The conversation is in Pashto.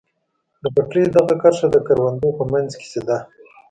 د پټلۍ دغه کرښه د کروندو په منځ کې سیده.